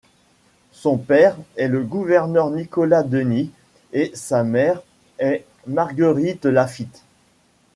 Son père est le gouverneur Nicolas Denys et sa mère est Marguerite Lafite.